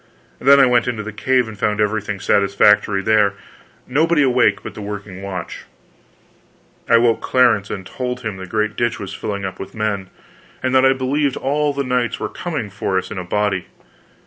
Then I went into the cave, and found everything satisfactory there nobody awake but the working watch. I woke Clarence and told him the great ditch was filling up with men, and that I believed all the knights were coming for us in a body.